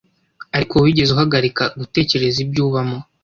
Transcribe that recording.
ariko wigeze uhagarika gutekereza ibyo ubamo